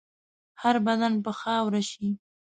هر بدن به خاوره شي.